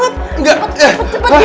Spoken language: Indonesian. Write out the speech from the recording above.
gue gak mau tau